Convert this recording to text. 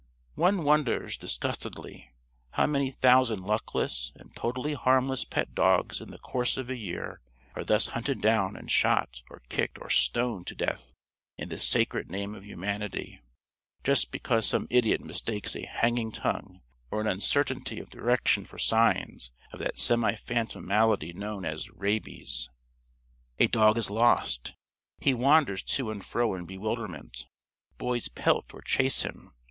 One wonders, disgustedly, how many thousand luckless and totally harmless pet dogs in the course of a year are thus hunted down and shot or kicked or stoned to death in the sacred name of Humanity, just because some idiot mistakes a hanging tongue or an uncertainty of direction for signs of that semi phantom malady known as "rabies." A dog is lost. He wanders to and fro in bewilderment. Boys pelt or chase him.